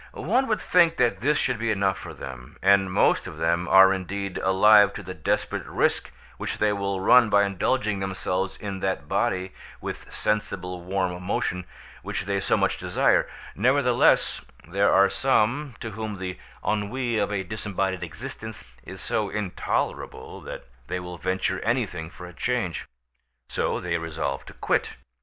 One would think that this should be enough for them; and most of them are indeed alive to the desperate risk which they will run by indulging themselves in that body with "sensible warm motion" which they so much desire; nevertheless, there are some to whom the ennui of a disembodied existence is so intolerable that they will venture anything for a change; so they resolve to quit.